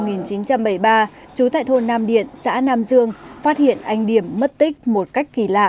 trên năm một nghìn chín trăm bảy mươi ba chú tại thôn nam điện xã nam dương phát hiện anh điểm mất tích một cách kỳ lạ